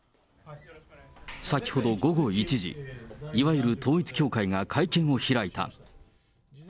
先ほど午後１時、いわゆる統一教会が会見を開いた。